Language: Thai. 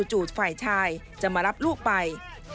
จู่ฝ่ายชายจะมารับลูกไป